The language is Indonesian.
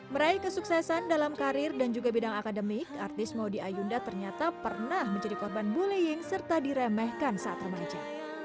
meraih kesuksesan dalam karir dan juga bidang akademik artis modi ayunda ternyata pernah menjadi korban bullying serta diremehkan saat remaja